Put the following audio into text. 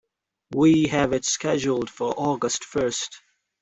We have it scheduled for August first.